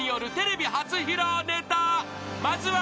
［まずは］